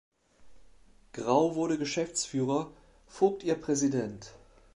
Grau wurde Geschäftsführer, Vogt ihr Präsident.